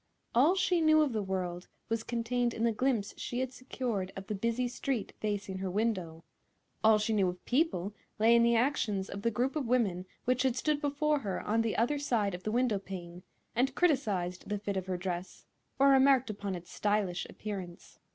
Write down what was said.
All she knew of the world was contained in the glimpse she had secured of the busy street facing her window; all she knew of people lay in the actions of the group of women which had stood before her on the other side of the window pane and criticised the fit of her dress or remarked upon its stylish appearance.